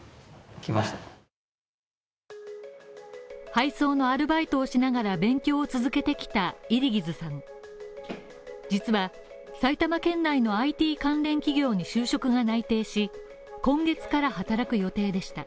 配送のアルバイトをしながら勉強を続けてきたイリギズさん実は埼玉県内のＩＴ関連企業に就職が内定し、今月から働く予定でした。